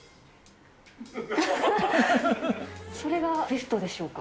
それがベストでしょうか？